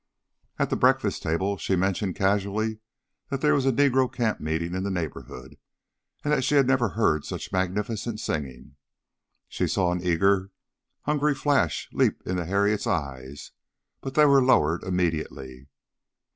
At the breakfast table she mentioned casually that there was a negro camp meeting in the neighborhood, and that she never had heard such magnificent singing. She saw an eager hungry flash leap into Harriet's eyes, but they were lowered immediately.